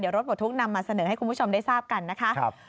รถปลดทุกข์นำมาเสนอให้คุณผู้ชมได้ทราบกันนะคะ